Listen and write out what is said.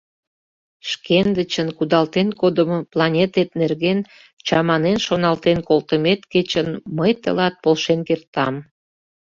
Шкендычын кудалтен кодымо планетет нерген чаманен шоналтен колтымет кечын мый тылат полшен кертам.